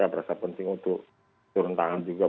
dan lpsk merasa penting untuk turun tangan juga